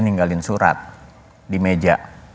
ninggalin surat di meja